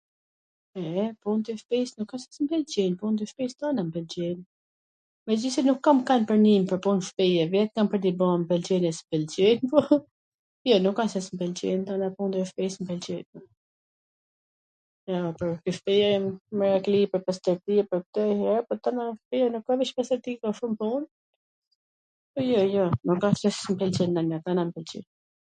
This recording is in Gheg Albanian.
E, punt e shtpis nuk wsht se s mw pwlqejn, punt e shtpisw t tana mw pwlqejn, megjithse nuk kam kan pwr pun shtpie, vet kam pwr t i ba, m pwlqen e pwlqejn po, jo, nuk asht se s mw pwlqejn punt e shpis, mw pwlqejn, ke shpija merakli pwr pastwrti e pwr kto ndonjher po tana astwrti, po shum pun, po, jo jo, nuk asht se s mw pwlqen ndonjw, tana mw pwlqejn.